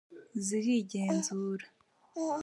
zirigenzura